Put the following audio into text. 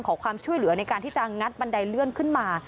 ขอความช่วยเหลือในการที่จะงัดบันไดเลื่อนขึ้นมา